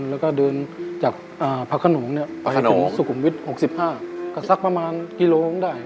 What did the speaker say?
แล้วก็เดินจากพระขนงเนี่ยพระขนงไปถึงสุขุมวิทย์๖๕ก็สักประมาณกิโลนึงได้